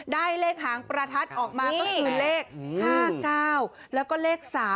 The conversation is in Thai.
ได้เลขหางประทัดออกมาก็คือเลข๕๙แล้วก็เลข๓